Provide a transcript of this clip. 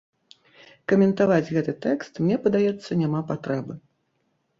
Каментаваць гэты тэкст, мне падаецца, няма патрэбы.